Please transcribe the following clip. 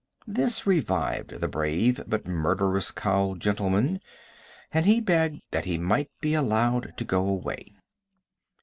This revived the brave but murderous cow gentleman, and he begged that he might be allowed to go away.